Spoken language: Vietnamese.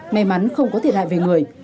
may mắn không có thiệt hại về người